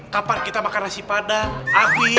kapan kita makan nasi padang